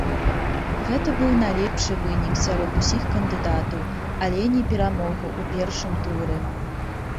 Гэта быў найлепшы вынік сярод усіх кандыдатаў, але не перамога ў першым туры.